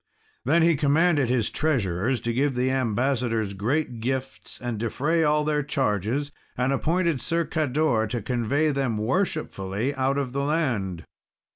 Then he commanded his treasurers to give the ambassadors great gifts, and defray all their charges, and appointed Sir Cador to convey them worshipfully out of the land.